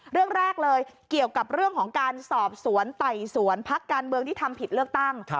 เรื่องแรกเลยเกี่ยวกับเรื่องของการสอบสวนไต่สวนพักการเมืองที่ทำผิดเลือกตั้ง